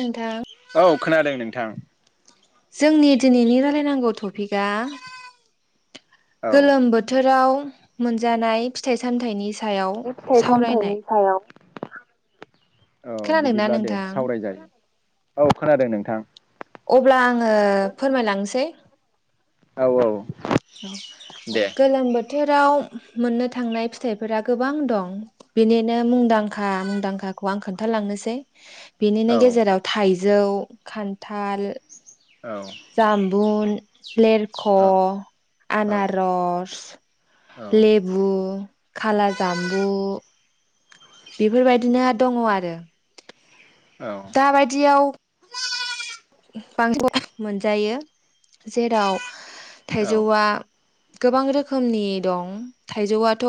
नोंथां औ खोनादों नोंथां। जोंनि दिनैनि रायलायनांगौ टपिकआ औ गोलोम बोथोराव मोनजानाय फिथाइ सामथाइनि सायाव बे फिथाइ सामथाइनि सावरायनाय। सायाव औ खोनादोंना बिदिब्ला दे नोंथां सावरायजायो औ खोनादों नोंथां। अब्ला आङो फोरमायलांसै। औ औ। औ दे गोलोम बोथोर राव मोननो थांनाय फिथाइफोरा गोबां दं बेनिनो मुंदांखा मुंदांखाखौ आं खोनथालांनोसै बिनिनो औ गेजेराव थाइजौ खान्थाल औ जामबुन लिरख' औ आनारस औ लेबु खाला जाम्बु बेफोरबायदिनो दङ आरो औ दाबायदियाव बां [unintelligible] मोनजायो जेराव औ थाइजौआ गोबां रोखोमनि दं थाइजौआथ'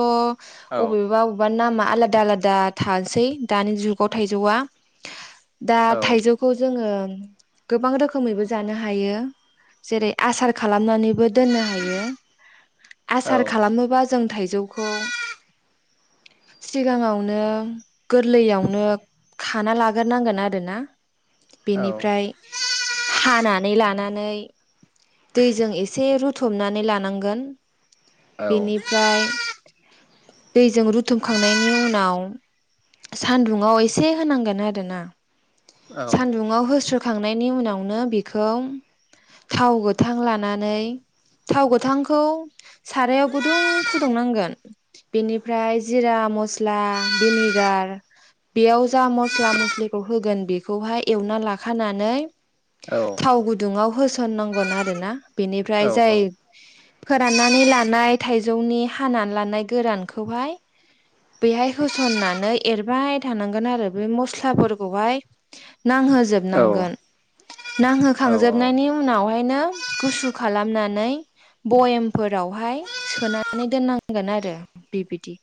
औ औ अबेबा बबेबा नामा आलादा आलादा थासै दानि जुगाव थाइजौआ दा थाइजौखौ जोङो गोबां रोखोमैबो जानो हायो जेरै आसार खालामनानै बो दोननो हायो आसार औ औ खालामोबा जों थाइजौखौ सिगाङावनो गोरलैयावनो खाना लाग्रोनांगोन आरो ना। औ बेनिफ्राय हानानै लानानै दैजों एसे रुथुबनानै लानांगोन। बेनिफ्राय दैजों रुथुमखांनायनि उनाव सान्दुंङाव एसे होनांगोन आरोना सान्दुंङाव होस्रब होखांनायनि उनावनो बेखौ थाव गोथां लानानै थाव गोथांखौ सारायाव गुदुं फुदुंनांगोन बेनिफ्राय जिरा मस्ला भेनिगार बेयाव जा मस्ला मस्लिखौ होगोन बेखौहाय एवना लाख खानानै थाव गुदुङाव होसननांगोन आरो ना। बेनिफ्राय जाय फोराननानै लानाय थाइजौनि हानानै लानाय गोरानखौहाय बेहाय होसननानै एरबाय थानांगोन आरो बे मस्लाफोरखौहाय नांहोजोब नांगोन। नांहोखांजोबनायनि उनावहायनो गुसु खालामनानै बयेमफोर रावहाय सोनानै दोननांगोन आरो बिबिदि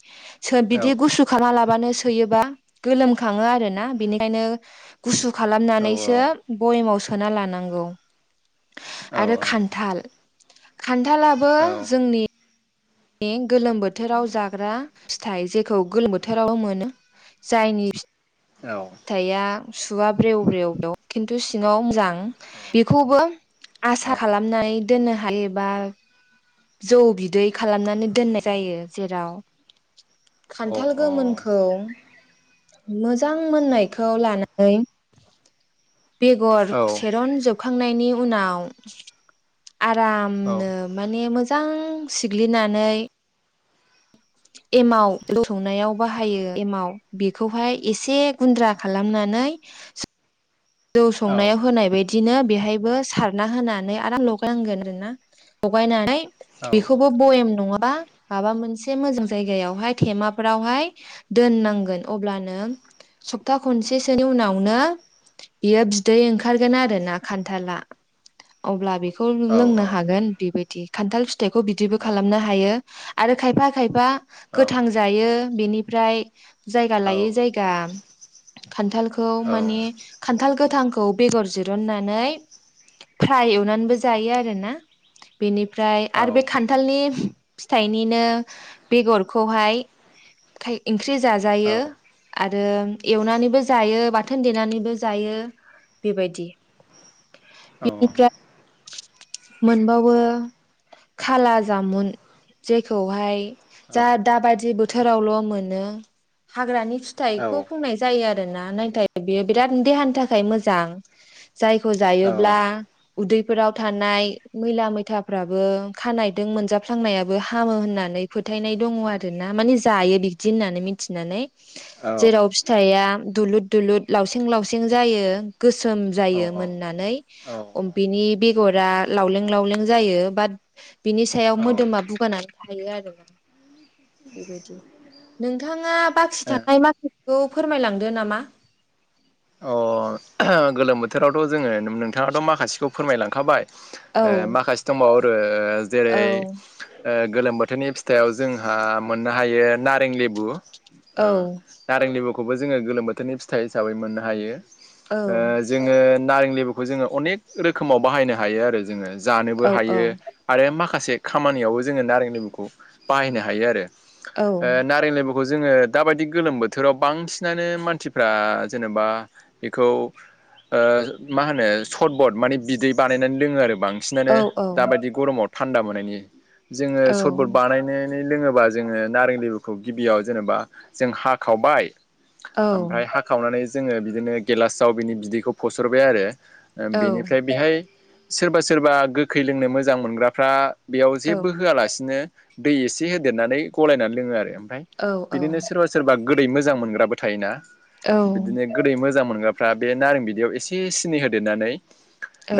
बिदि गुसु खालामालाबानो सोयोबा गोलोम खांओ आरो ना बिनिखाइनो गुसु खालामनानै सो बयेमाव सोना लानांगौ। आरो खान्थाल खान्थालाबो जोंनि बे गोलोम बोथोराव जाग्रा फिथाइ जेखौ गोलोम बोथोराव मोनो जायनि फीस फिथाइया सुवा ब्रेव ब्रेव ब्रेव खिन्थु सिङाव मोजां बेखौबो आसा खालामनानै दोननो हायोबा जौ बिदै खालामनानै दोननाय जायो जेराव खान्थाल गोमोनखौ मोजां मोननायखौ लानानै बेगर सेरन जोब खांनायनि उनाव आरामनो माने मोज मोजां सिग्लिनानै एमाव [unintelligible] बाहायो एमाव बेखौहाय एसे गुन्द्रा खालामना नै [unintelligible] जौ संनायाव होनाय बाय दिनो बेहायबो सारना होनानै आराम लगायनांगोन आरो ना लगायनानै बिखौबो बयम नङाबा माबा मोनसे मोजां जायगायावहाय थेमाफोराव हाय दोननांगोन अब्लानो नो सप्ता खनसेसोनि उनावनो बियो बिदै ओंखारगोन आरो ना खान्थाला। अब्ला बे खौ लोंनो हागोन बेबायदि खान्थाल फिथाइखौ बिदिबो खालामनो हायो आरो खायफा खायफा औ गोथां जायो बेनि ओमफ्राय जायगा औ लायै औ जायगा खान्थालखौ अ माने गोलोम खान्थाल गोथांखौ बेगर जिरन्नानै फ्राय एवनानैबो जायो आरो ना। बेनिफ्राय आरो बे खान्थालनि फिथाइनिनो बेगरखौहाय खाय ओंख्रि जाजायो आरो एवनानैबो जायो बाथोन देनानैबो जायो बेबायदि। बेनिफ्राय [inaudible] मोनबावो खाला जामुन जेखौहाय जा दाबादि बोथोरावल' मोनो हाग्रानि फिथाइखौ बुंनाय जायो आरोना नाथाय बेयो बिराद देहानि थाखाय मोजां। जायखौ जायोब्ला उदैफोराव थानाय मैला मैथाफ्राबो खानाय दों मोनजाफ्लांनायाबो हामो होननानै फोथायनाय दङ आर ना माने जायो बिदि होननानै मिथिनानै। जेराव फिथाइया दुलुर दुलुद लावसिं लावसिं जायो। गोसोम जायो मोननानै। अ बेनि बेगरा लावलें लावलें जायो बाट बिनि सायाव मोदोमा बुगा नानै थायो आरोना, बेबायदि। नोंथाङा बाखि थानाय माखासिखौ फोरमायलांदो नामा? ओ गोलोम बोथोरावथ' जोङो नोंथाङाथ' माखासेखौ फोरमायलांखाबाय औ ओ माखासे दंबावो आरो औ जेरै ओ गोलोम बो थोरनि फिथाइआव जोंहा मोननो हायो नारें लेबु औ ओ नारें लेबु खौबो जोङो गोलोम बोथोरनि फिथाइ हिसाबै मोननो हायो। औ ओ जोङो नारें लेबुखौ जोङो अनेक रोखोमाव बाहायनो हायो आरो जोङो। जानोबो औ हायो औ आरो माखासे खामानियावबो जोङो नारें लेबुखौ बाहायनो हायो आरो। औ ओ नारें लेबु खौ जोङो दाबायदि गोलोम बोथोराव बांसिनानो मानसिफ्रा जेनेबा बेखौ ओ मा होनो सटबद माने बिदै बानायनानै लोङो आरो। औ बांसिनानो औ दाबायदि गरमाव थान्दा मोननायनि जोङो औ सरबद बानायनो नै लोङोबा जोङो नारें लेबुखौ गिबियाव जेनेबा जों हाखावबाय औ ओमफ्राय हाखावनानै जोङो बिदिनो गेलासाव बिनि बिदैखौ फसरबाय आरो। ओम औ बेनिफ्राय बेहाय सोरबा सोरबा गोखै लोंनो मोजां मोनग्राफ्रा बेयाव जेबो होआलासिनो दै एसे होदेरनानै गलायनानै लोङो आरो। ओंफाय औ औ बिदिनो सोरबा सोरबा गोदै मोजां मोनग्राबो थायो ना, बिदिनो गोदै मोजां मोन फ्रा बे नारें बिदैयाव एसे सिनि होदेरनानै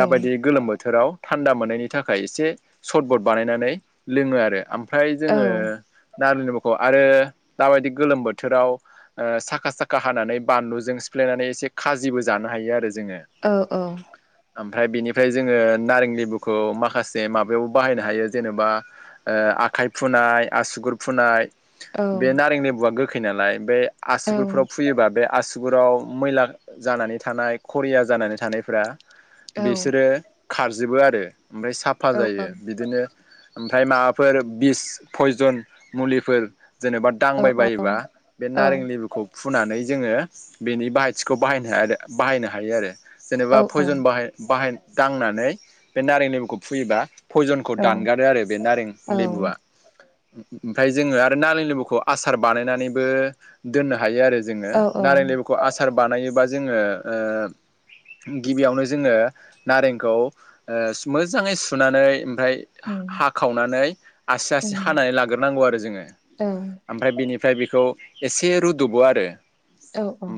दाबायदि गोलोम बोथोराव थान्दा मोननायनि थाखाय एसे सर्टबड बानायनानै लोङो आरो, ओमफ्राय जोङो नारलिनिमुखौ आरो दाबायदि गोलोम बोथोराव ओ साखा साखा हानानै बानलुजों सिफ्लायनानै एसे खाजिबो जानो हायो आरो। जोङो औ औ ओमफ्राय बेनिफ्राय जोङो नारें लेबुखौ माखासे माबायावबो बाहायनो हायो जेनेबा ओ आखाइ फुनाय आसुगुर फुनाय बे नारें लेबुआ गोखै नालाय बे आसुगुरफोराव फुयोबा बे आसु गुराव मैला जानानै थानाय कररिया जानानै थानायफोरारा बिसोरो खारजोबो आरो ओमफ्राय साफा जायो बिदिनो ओमफ्राय माबाफोर बिस पयजन मुलिफोर जेनेबा दांबायबायोबा बे नारें लेबुखौ फुनानै जोङो बेनि बाहायथिख खौ बाहायनो बाहायनो हायो आरो जेनेबा पयजन बाहाय बाहाय दांनानै बे नारें लेबुखौ फुयोबा पयजनखौ दानगारो आरो बे नारें लेबुआ। ओमफ्राय जोङो आरो नारें लेबुखौ आसार बानायनानैबो दोननो हायो। हायो आरो जोङो औ नारें लेबुखौ आसार बानायोबा जोङो। गिबियावनो जोङो नारेंखौ मोजाङै ओ सुनानै ओमफ्राय औ हाखावनानै आसि आसि औ हानानै लाग्रोनांगौ आरो जोङो। औ ओमफ्राय बिनिफ्राय बेखौ एसे रुदबो आरो। औ औ।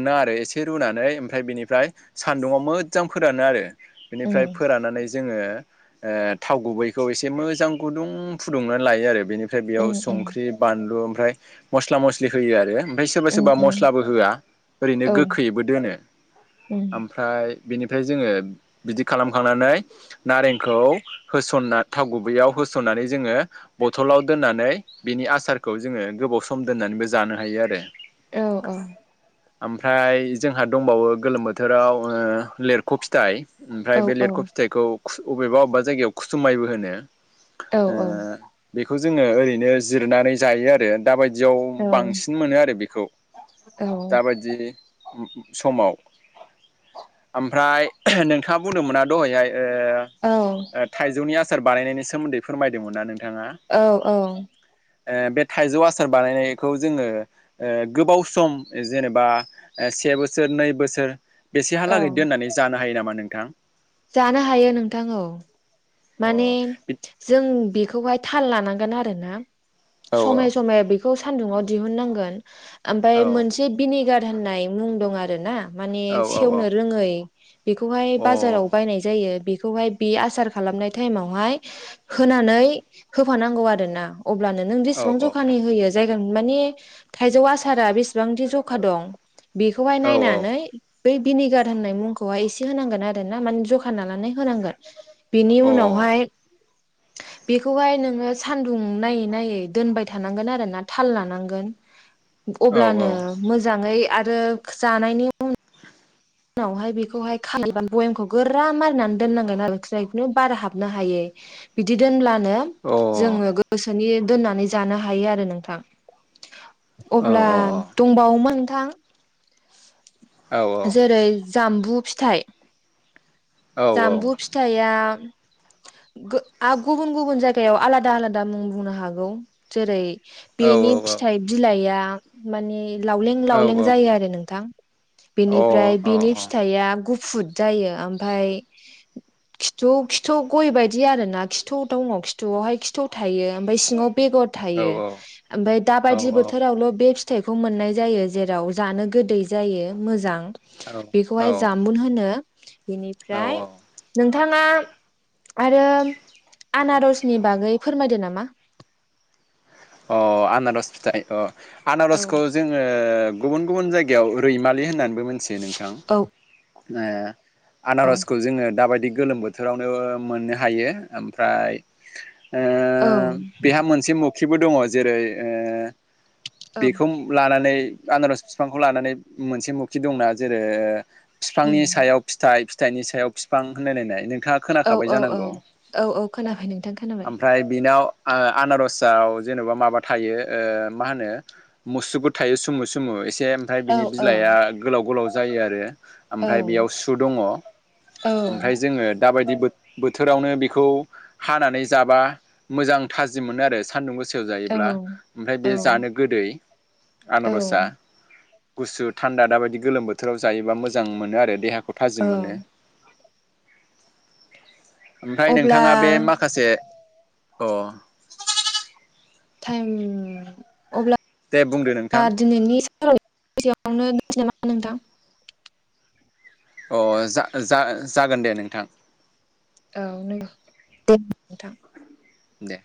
ना आरो एसे रुनानै ओमफ्राय बेनिफ्राय सान्दुंङाव मोजां फोरानो आरो। उम बेनिफ्राय फोराननानै जोङो। ओ थाव गुबैखौ एसे मोजां गुदुं फुदुंनानै लायो आरो बेनिफ्राय बेयाव उम उम संख्रि बानलु ओमफ्राय मस्ला मस्लि होयो आरो। ओमफ्राय सोरबा उम सोरबा उम मस्लाबो होआ ओरैनो औ गोखैयैबो दोनो उम ओमफ्राय बेनिफ्राय जोङो ब होस'नानै जोङो बथलाव दोननानै बिनि आसारखौ जोङो गोबाव सम दोननानैबो जानो हायो आरो। औ औ। ओमफ्राय जोंहा दंबावो गोलोम बोथोराव ओ लिरख' फिथाइ औ ओमफ्राय बे लिरख' फिथाइखौ अबेबा अबेबा जायगायाव खुसुमायबो होनो। औ ओ बेखौ जोङो ओरैनो जिरनानै जायो आरो। दाबायदियाव बांसिन मोनो आरो बेखौ औ दाबायदि समाव ओमफ्राय नोंथाङा बुंदोंमोना दहायहाय ओ ओ थाइजौनि आसार बानायनायनि सोमोन्दै फोरमायदोंमोना नों। औ औ। ओ बे थाइजौ आसार बानायनायखौ जोङो ओ गोबाव सम जेनेबा से बोसोर नै बोसोर औ बेसेहालागै दोननानै जानो हायो नामा नोंथां? जानो हायो नोंथां औ अ माने जों बेखौ खौहाय थाल लानांगोन आरोना औ समाय समाय बेखौ सानदुंआव दिहुननांगोन। ओमफाय मोनसे भिनेगार होननाय मुं दं आरो ना। माने औ सेवनो रोङै बेखौहाय औ अ औ बाजाराव बायनाय जायो बेखौहाय बे आसार खालामनाय टाइमावहाय होनानै होफानांगौ आरो ना। अब्लानो नों औ जेसेबां जखानि होयो जाय माने थाइजौ आसारा बेसेबांदि जखा दं बेखौहाय अ औ नायनानै। बै भिनिगार होननाय मुंखौह एसे होनांगोन आरो ना मान जखा ना लानानै होनांगोन। बेनि अ औ उनावहाय बेखौहाय नोङो सान्दुं नायै नायै दोनबाय थानांगोन आरो ना थाल लानांगोन। ह। अब्लानो मोजाङै आरो जानायनि उन उनावहाय बेखौहाय खाबा भयेमखौ गोरा मारिनानै दोननांगोन नखिनाय बेखौनो बारा हाबनो हायो। बिदि दोनब्ला। नो औ जोङो गोसोनि दोननानै जानो हायो आरो नोंथां। औ अ अब्ला औ औ औ औ दंबावोमोन नोंथां। जेरै जामबु फिथाइ जामबु औ फिथाइया गुबुन गुबुन जायगायाव आलादा आलादा मुं बुंनो हागौ जेरै बेनि फिथाइ बिलाइआ माने लावलें लावलें जायो आरो नोंथां। बेनिफ्राय बिनि फिथाइया गुफुद जायो ओमफाय खिथु खिथु गय बायदि आरो ना खिथाव दङ खिथुआवहाय खिथु थायो। ओमफ्राय सिङाव बेगर थायो ओमफ्राय दाबायदि बोथोरावल' बे फि थाइखौ मोननाय जायो जेराव जानो गोदै जायो मोजां। बेखौहाय जामबुन होनो। औ बेनिफ्राय औ नोंथाङा आरो आनारसनि बागै फोरमायदो नामा? अ आनारस फिथाइ अ औ आनारसखौ जोङो गुबुन गुबुन जायगायाव रैमालि होननानैबो मोनथियो नोंथां औ ओ औ आनारसखौ जोङो दाबायदि गोलोम बोथोरावनो मोननो हायो ओमफ्राय ओ औ बेहा मोनसे मुखिबो दङ जेरै बेखौ लानानै आनारस बिफांखौ लानानै मोनसे मुखि दंना जेरै बिफांनि उम सायाव फिथाइ फि फिथाइनि सायाव बिफां होनायलायनाय नों नोंथाङा औ खोनाखाबाय औ औ जानांगौ औ औ खोनाबाय नोंथां खोनाबाय ओमफ्राय बिनाव ओ आनारस जाव जेन'बा माबा थायो मा होनो मुसुगु थायो सुमु सुमु ए से ओमफ्राय औ बिनि औ बिलाइआ गोलाव गोलाव जायो आरो। औ ओमफ्राय बेयाव सु दङ ओमफ्राय जोङो दाबायदि बो-बोथोरावनो बेखौ हानानै जाबा मोजां थाजिम मोनो आरो सान्दुं गोसा याव औ जायोब्ला ओमफ्राय औ बे जानो गोदै आनारसआ गुसु थान्दा दाबायदि गोलोम बोथोराव जायोबा मोजां मोनो आरो देहाखौ थाजिम औ मोनो। ओमफ्राय अब्ला नोंथाङा बे माखासे अ टाइम अब्ला दे बुंदो नोंथां। [unintelligible] दोननोसै नामा नोंथां? अ जा-जा-जागोन दे नोंथां। औ नोंथां दे। दे।